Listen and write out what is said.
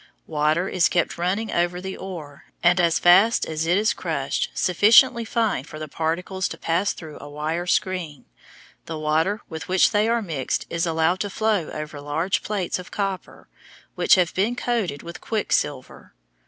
Water is kept running over the ore, and as fast as it is crushed sufficiently fine for the particles to pass through a wire screen, the water with which they are mixed is allowed to flow over large plates of copper which have been coated with quicksilver.